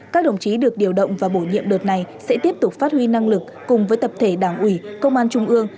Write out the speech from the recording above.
các đồng chí được điều động và bổ nhiệm đợt này sẽ tiếp tục phát huy năng lực cùng với tập thể đảng ủy công an trung ương